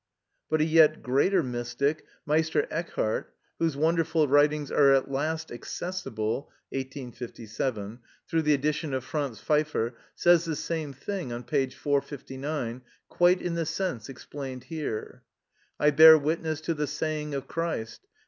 But a yet greater mystic, Meister Eckhard, whose wonderful writings are at last accessible (1857) through the edition of Franz Pfeiffer, says the same thing (p. 459) quite in the sense explained here: "I bear witness to the saying of Christ.